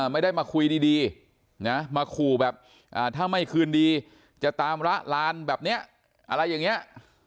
ไม่ได้มาคุยดีนะมาขู่แบบถ้าไม่คืนดีจะตามละลานแบบนี้อะไรอย่างนี้